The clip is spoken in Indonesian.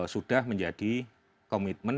sudah menjadi komitmen